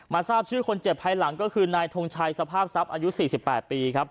ทราบชื่อคนเจ็บภายหลังก็คือนายทงชัยสภาพทรัพย์อายุ๔๘ปีครับ